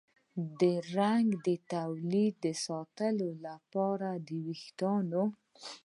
د رنګ د تولید ساتلو لپاره د ویښتانو